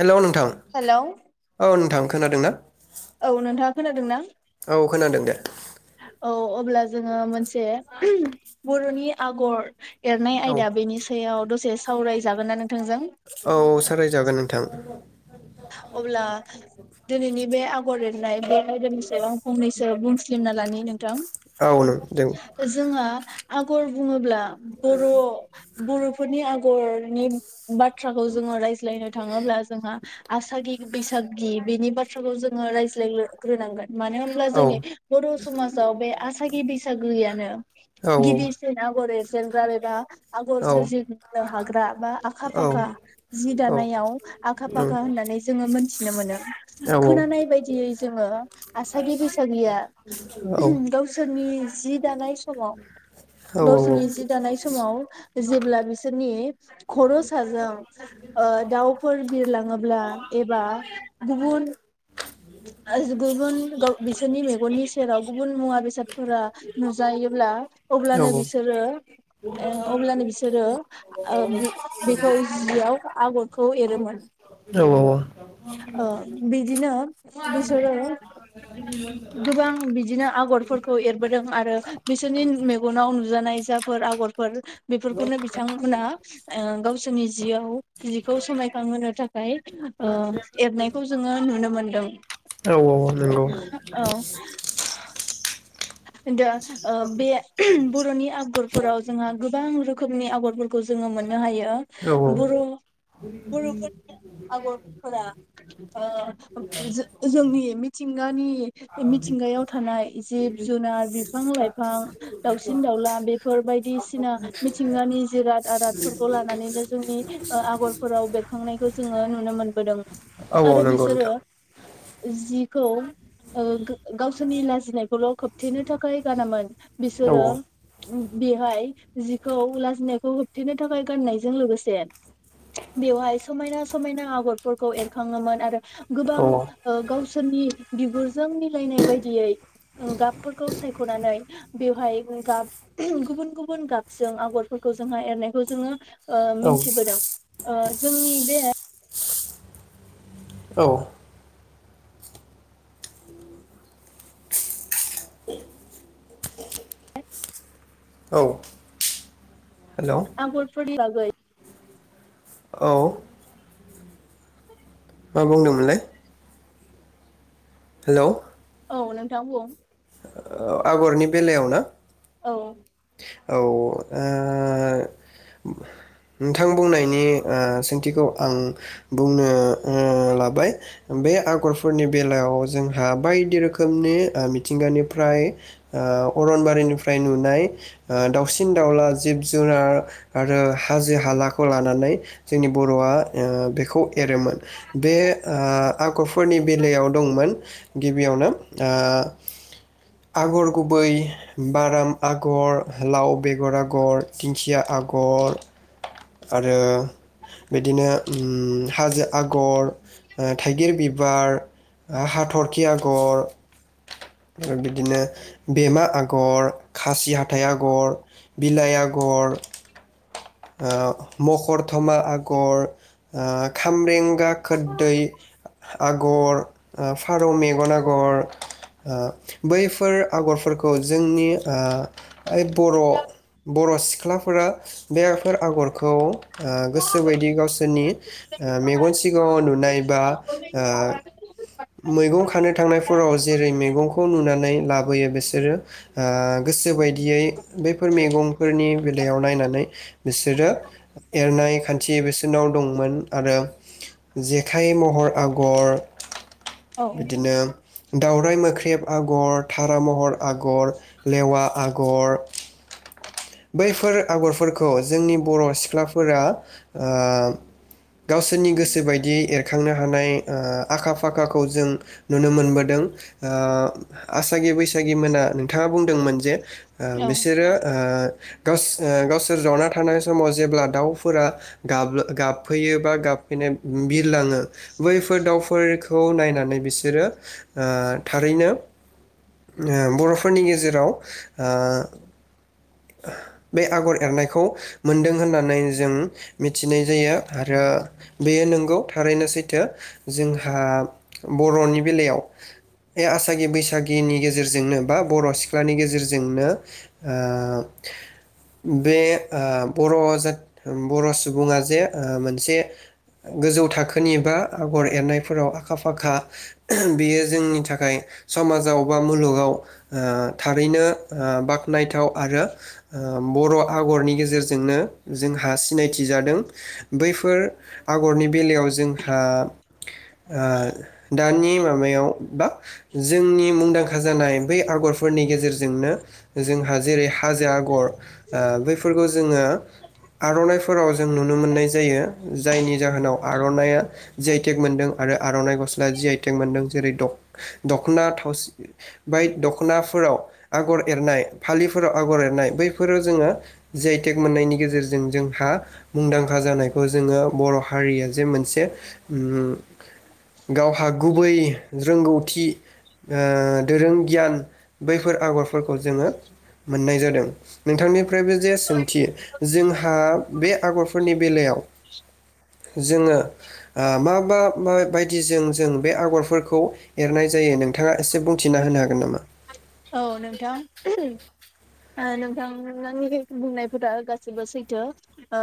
हेल' नोंथां हेलौ औ नोंथां। खोनादों ना? औ नोंथाङा खोनादों ना? औ खोनादों दे औ अब्ला जोङो मोनसे ओं बर'नि आगर एरनाय औ आयदा बेनि सायाव दसे सावरायजागोन ना नोंथांजों औ सावरायजागोन नोंथां अब्ला दोनैनि बे आगर एरनाय बे आयदानि सायाव आं फंनैसो बुंस धिनना लानि नोंथां औ नों दे जोंहा आगर बुङोब्ला बर' बर' फोरनि आग गरनि बाथ्राखौ जोङो रायज्लायनो थाङोब्ला जोंहा आसागि बैसागि बेनि बाथ्राखौ जोङो रायज्लायो ग्रोनांगोन। मानो होमब्ला औ जोंनि बर' समाजाव बे आसागि बैसागैयानो औ गिबिसिन आग गर ए सेरग्रा एबा आगर औ सोरजिनो हाग्रा बा आखा औ ओं फाखा जि औ दानायाव आखा फाखा होननानै जोङो मोनथिनो मोनो औ खोनानाय बायदियै जोङो आसागि बैसागिया गावसोरनि जि दानाय स समाव गावसोरनि जि दानाय समाव जेब्ला बिसोरनि खर' साजों ओ दाउफोर बिरलाङोब्ला एबा गुबुन जो गुबुन गो बिसोरनि मेगननिस राव‌ गुबुन मुवा बेसादफोरा नुजायोब्ला अब्लानो बिसोरो ओ अब्लानो बिसोरो ओ बेख बेखौ जियाव आगरखौ एरोमोन। औ ओ बेदिनो बिसोरो गोबां बिदिनो आगरफोरखौ एरबोदों आरो बिसोरनि मेगनाव नुजा नायजाफोर आगरफोर बेफोरखौनो बिथांमोना ओ गावसोरनि जियाव जिखौ समायखांहोनो थाखाय ओ मोननायखौ जोङो नुनो मोन्दों। औ औ नंगौ दा ओ बे बर'नि आगरफोराव जोंहा गोबां रोखोमनि आगरफोरखौ जोङो मोननो हायो औ दा बर' बर'फोरनि आगरफोरा ओ जोंनि मिथिंगानि मिथिंगायाव थानाय जे जुनार बिफां-लाइफां दाउसिन-दाउला बेफोर बायदिसिना मिथिंगानि जिराद आादफोरखौ लानानैनो जोंनि आगरफोराव बेरखांनायखौ जोङो नुनो मोनबोदों। औ औ आरो नंगौ बिसोरो नोंथां जिखौ ओ गावसोरनि लाजिनायखौल' खोब होबथेनो थाखाय गानामोन औ बिसोरो बेहाय जिखौ लाजिनायखौ होबथेनो थाखाय गाननायजों लोगोसे बेवहाय समायना समायना आगरफोरखौ एरखाङोमोन आरो गोबां औ ओ गावसोरनि बिगुर जों समाव मिलायनाय बायदियै गाब सायख'नानै बेवहाय गाब गुबुन गुबुन गाबजों आगरफोरखौ जोंहा एरनायखौ जोङो ओ औ मिथिबोदों जोंनि बे औ [inaudible] औ हेलौ आगरफोरनि बै औ मा बुंदोंमोनलै हेल' औ नोंथां बुं आगरनि बेलायाव ना? औ औ दा नोंथां बुंनायनि ओ सोंथिखौ आं बुंनो लाबाय बे आगरफोरनि बेलायाव जोंहा बायदि रोखोमनि मिथिंगानिफ्राय ओ अरनबारिनिफ्राय नुनाय ओ दाउसिन दाउला जिब जुनार आरो हाजो हालाखौ लानानै जोंनि बर'आ ओ बेखौ एरोमोन बे ओ आगरफोरनि बेलायाव दंमोन गिबियावनो ओ आगर गुबै बाराम आगर आगर लाव बेगर आगर दिंखिया आगर आरो बिदिनो ओम हाजो आगर थाइगिर बिबार हाथरखि आगर बिदिनो बेमा आगर खासि हाथाइ आगर बिलाइ आगर ओ मखरथमा आगर ओ खाम्रें खोरदै आगर फारौ मेगन आगर आगर ओ बैफोर आगरफोरखौ जोंनि ओ ओइ बर' बर' सि सिख्लाफोरा बेफोर आगरखौ ओ गोसो बायदि गावसोरनि मेगन सिगाङाव नुनाय बा ओ मैगं खानो थांनायफोराव जेरै मैगंखौ नुनानै लाबोयो बेसोर बिसोरो आ गोसो बायदियै बैफोर मैगंफोरनि बिलाइयाव नायनानै बिसोरो एरनाय खान्थि बिसोरनाव दंमोन आरो जेखाइ महर आगर औ बिदिनो दावराइ मो ख्रेब आगर, थारा महर आगर, लेवा आगर बैफोर आगरफोरखौ खौ जोंनि बर' सिख्लाफोरा आ गावसोरनि गोसो बायदियै एरखांनो हानाय ओ आखा फाखाखौ जों नुनो मोनबोदों। ओ आसागि बैसागिमोना नोंथाङा बुंदोंमोन जे ओ औ बिसोरो ओ गावस ओ गावस सोर जावना थानाय समाव जेब्ला दाउफोरा गाबला-गाबफैयो बा गाबफैनाय बिरलाङो बैफोर दाउफोरखौ नायनानै बिसोरो ओ थारैनो ओ बर'फोरनि गेजेराव ओ बे आगर एरनायखौ मोनदों होननानै जों मिथिनाय जायो आरो बेयो नंगौ थारैनो सैथो जोंहा बर'नि बेलायाव बे आसागि बैसागिनि गे गेजेरजोंनो बा बर' सिख्लानि गेजेरजोंनो ओ बे ओ बर' जा बर' सुबुङा जे ओ मोनसे गोजौ थाखोनि बा आगर एरनायफोराव आखा-फाखा बेयो जोंनि थाखाय समाजाव बा मुलुगाव ओ थारैनो ओ बाख्नायथाव आरो ओ बर' आगरनि गेजेरजोंनो जोंहा सिनाय थि जादों। बैफोर आगरनि बेलायाव जोंहा ओ दानि माबायाव बा जोंनि मुंदांखा जानाय बै आगरफोरनि गेजेरजोंनो जोंहा जेरै हाजो आगर ओ बैफोरखौ जोङो आर'नाइफोराव जों नुनो मोननाय जायो। जायनि जाहोनाव आर'नाइया जि आइटेक मोनदों आरो आर'नाइ गस्ला जि आइटेक मोनदों जेरै दख'ना थावसि बै दख'नाफोराव आगर एरनाय फालिफोराव आगर एरनाय बैफोर जोङो जि आइ टेक मोननायनि गेजेरजों जोंहा मुंदांखा जानायखौ जोङो बर' हारिया जे मोनसे उम गावहा गुबै रोंगौथि ओ दोरों गियान बैफोर आगरफोर खौ जोङो मोननाय जादों। नोंथांनि निफ्रायबो जे सोंथि जोंहा बे आगरफोरनि बेलायाव जोङो ओ मा-मा बायदिजों जों बे आगरफोरखौ एरनाय जायो नोंथाङा एसे बुंथिना होनो हागोन नामा? औ नोंथां, नोंथांनि बुंनायफोरा गासिबो सैथो ओ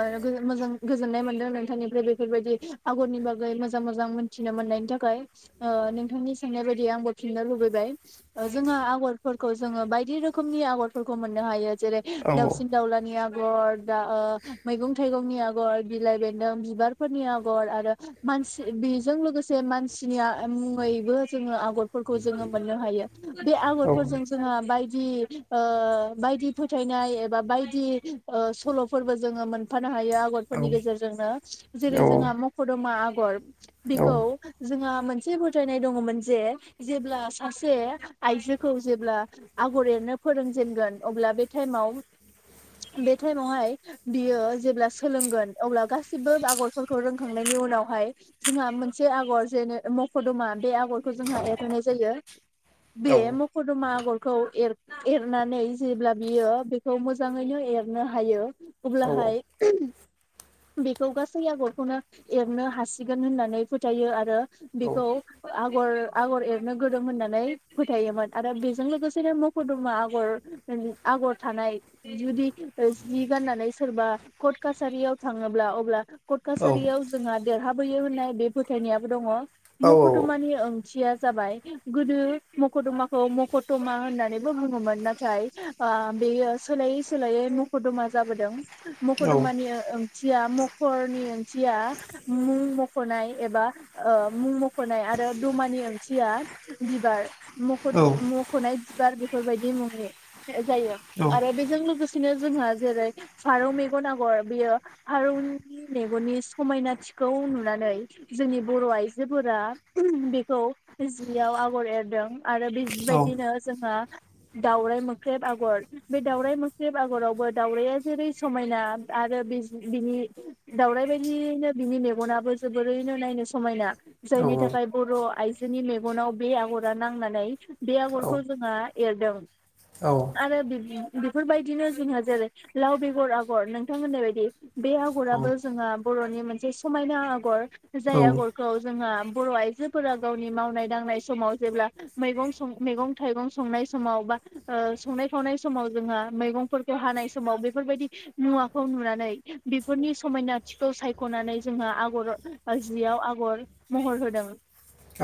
मोजां गोजोननाय मोनदों नोंथांनिफ्राय बेफोरबायदि आगरनि बागै मोजां मोजां मोनथिनो मोननायनि थाखाय। नोंथांनि सोंनाय बायदियै आंबो फिननो लुबैबाय। जोंहा आगर फोरखौ जोङो बायदि रोखोमनि आगरफोरखौ मोननो हायो । जेरै औ दाउसिन दाउलानि आगर दा ओ मैगं थाइगंनि आगर, बिलाइ बेन्दों बिबारफोरनि आगर आरो मानसि बिजों लोगोसे मानसिनि आ मुङैबो जोङो आ गरफोरखौ जोङो मोननो हायो बे आगर औ फोरजों जोंङा बाय दि ओ बायदि फोथायनाय एबा बायदि ओ सलफोरबो जोङो मोनफा नो हायो आगरफोरनि गेजेरजोंनो औ जेरै जोंङा मखदमा आ गर औ बिखौ जोङो मोनसे फोथायनाय दङमोन जे जेब्ला सासे आइजो खौ जेब्ला आगर एरनो फोरोंजेनगोन अब्ला बे थाइमाव बे थाइमावहाय बियो जेब्ला सोलोंगोन अब्ला गासिबो आगरफोरखौ रोंखांनायनि उनावहाय जोंहा मोनसे आगर जेने मखदमा बे आ गरखौ जोंहा एरहोनाय जायो। बे औ मख दमा आगरखौ एर एरनानै जेब्ला बियो बेखौ मोजाङैनो एरनो हायो औ अब्लाहाय बेखौ गासै आगरखौनो एरनो हासिगोन होननानै फोथायो आरो औ बेखौ आ गर आगर एरनो गोरों होननानै फोथायोमोन। आरो बेजों लोगोसेनो मखदमा आगर आगर थानाय जुदि जि गाननानै सोरबा कर्ट कासारियाव थाङोब्ला अब्ला कट कासारियाव जोङा देरहाबोयो होननाय बे फोथायनायाबो दङ। औ मखदमानि ओंथिया जाबाय गोदो मखदमा खौ मखतमा होननानैबो बुङोमोन नाथाय आ बेयो सोलायै सोलायै मखदमा जाबोदों। मखदमानि ओ ओं थिया मखरनि ओं थिया मुम खनाय एबा ओ मुं म खनाय आरो दुमानि ओं थिया बिबार मखनाय बिबार बे फोरबायदि मुङनि जायो आरो बेजों लोगोसेनो जोंहा जेरै फारौ मेगन आगर बेयो फारौनि मेगननि समायनाथि खौ नुनानै जोंनि बर आइजोफोरा बेखौ जियाव आगर एरदों। आरो बेबायदिनो औ जोङो दाउराय मोख्रेब आगर बे दाउराय मोख्रेब आगरावबो दाउराया जेरै समायना आरो बिजि-बिनि दाउराइ बायदियैनो बिनि मेगनाबो जोबोरैनो नायनो समायना। जायनि थाखाय बर' आइजो। नि मेगनाव बे आगरा नांना लाय। बे आगरखौ जोङो। एरदों। [unintelligible] बेफोरबायदिनो जोंहा जेरै लाव बेगर आगर नोंथां होननाय बायदि। बे औ आगराबो जोंहा बर'नि मोन जि समायना आगर। औ जाय आगरखौ जोंहा। बर' आइजोफोरा गावनि मावनाय दांनाय समाव जेब्ला। मैगंं सं मैगं थाइगं संनाय समाव बा ओ संनाय खावनाय समाव जोंहा मैगंफोरखौ हानाय समाव बेफोरबायदि मुवाखौ नुनानै बेफोरनि समायनाथिखौ सायख'नानै जोंहा आगर जियाव आगर महर होदों। औ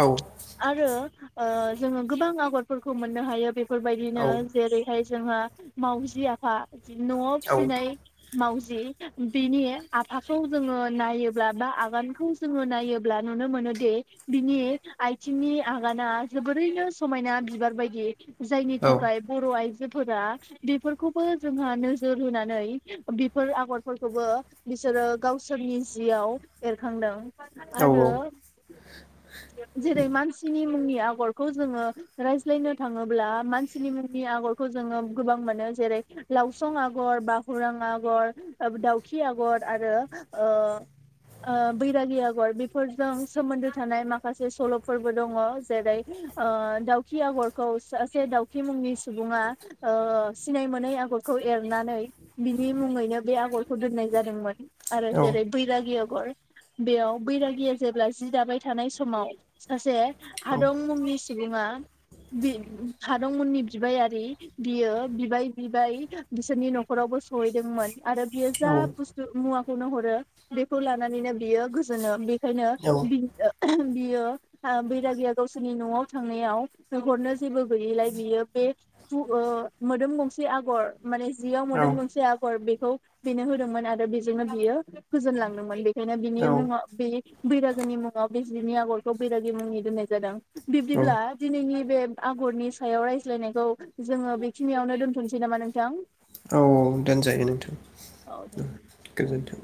आरो। ओ। जोङो गोबां आगरफोरखौ मोननो हायो बे फोरबायदिनो जेरैहाय जोहा मावजि आफा। न'आव फिसिनाय। मावजि बिनि आफाखौ जोङो नायोब्ला बा आगानखौ जोङो नायोब्ला नुनो मोनोदि बिनि आथिंनि आगाना जोबोद। ओरैनो समायना बिबार बायदि। जायनि थाखाय दोनजायो बर' आइजो। जोफोरा बेफोरखौबो जोंहा नोजोर होनानै बेफोर आगरफोरखौबो बिसोरो गावसोरनि जियाव एरखांदों। आरो। जेरै मानसिनि मुंनि। [unintelligible] खौ जोङो रायज्लायनो थाङोब्ला मानसिनि मुंनि आगरखौ जोङो गोबां मोनो जेरै लावसं आगर बा हुरां आगर दाउखि आगर आरो ओ बैरागि आगर बेफोरजों सोमोन्दो थानाय माखासे सल'फोरबो दङ जेरै ओ दाउखि आगरखौ सासे दाउखि मुंनि सुबुङा ओ सिनाय मोनै आगरखौ एरनानै बिनि मुङैनो बे आगरखौ दोननाय जादोंमोन। आरो जेरै बैरागि आगर बेयाव बैरागिया जेब्ला जि दाबाय थानाय समाव सासे। औ। सिबिङा बि हादंमोननि बिबायारि बियो बिबाय बिबाय बिसोरनि न'खरावबो सहैदोंमोन। आरो बेयो जा बुस्थु मुवा। खौनो हरो बेखौ लानानैनो बियो गोजोनो। बेखायनो बि। [unintelligible] [unintelligible] ओ बैरागिया गावसो जोंनि न'आव थांनायाव नोंहरनो जेबो गैयिलाय बियो बे [unintelligible] ओ मोदोम गंसे आगर माने जियाव मोदोम गंसे आगर बे खौ बेनो होदोंमोन आरो बेजोंनो बियो गोजोनलांदोंमोन बे बेना बिनि [unintelligible] बैरागोनि मुङाव बे जिनि आगरखौ बैरागि मुंनि दोननाय जादों। बिब्दिब्ला दिनैनि बे आगरनि सायाव रायज्लायनायखौ जोङो बेखिनियावनो दोनथ'नोसै नामा नोंथां? औ औ दोनजायो नोंथां औ ओ गोजोनथों।